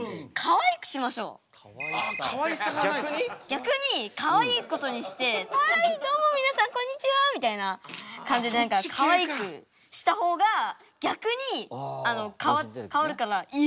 逆にかわいいことにして「はいどうも皆さんこんにちは！」みたいな感じで何かかわいくした方が逆に変わるから「えっ！」ってなったり。